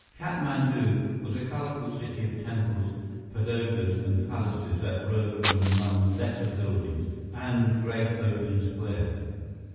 Katmandu was a colorful city of temples, pagodas, and palaces that rose from among lesser buildings and great open squares.